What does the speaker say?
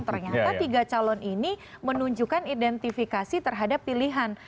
ternyata tiga calon ini menunjukkan identifikasi terhadap pilihan